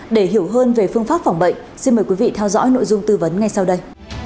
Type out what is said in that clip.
để hiểu hơn về phương pháp phòng bệnh xin mời quý vị theo dõi nội dung tư vấn ngay sau đây